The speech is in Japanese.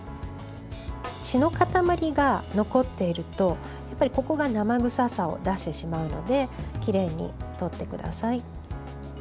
血の塊が残っているとここが生臭さを出してしまうのできれいに取ってください。